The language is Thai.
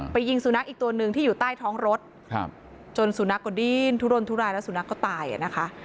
ยิงสุนัขอีกตัวหนึ่งที่อยู่ใต้ท้องรถจนสุนัขก็ดิ้นทุรนทุรายแล้วสุนัขก็ตายอ่ะนะคะ